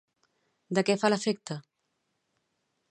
De què fa l'efecte?